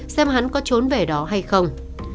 xem hắn có trốn về đó hay không